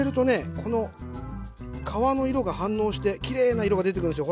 この皮の色が反応してきれいな色が出てくるんですよ